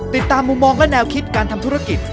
ติดตามมุมมองและแนวคิดการทำธุรกิจ